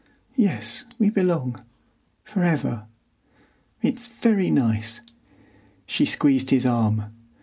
"Yes, we belong—for ever. It's very nice." She squeezed his arm.